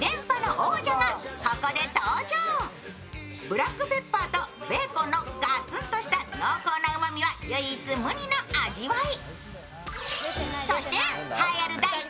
ブラックペッパーとベーコンのガツンとした濃厚なうまみは唯一無二の味わい。